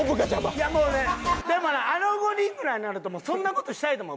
いやもうねでもなあの５人ぐらいになるとそんな事したいと思う。